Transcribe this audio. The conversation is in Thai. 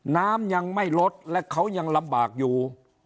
น้ำยังไม่ลดและเขายังลำบากอยู่